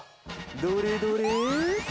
どれどれ？